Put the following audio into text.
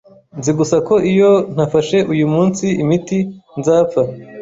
Nzi gusa ko iyo ntafashe uyu munsi imiti, nzapfa.